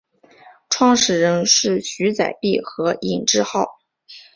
创始人是徐载弼和尹致昊。